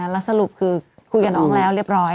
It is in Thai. แล้วสรุปคือคุยกับน้องแล้วเรียบร้อย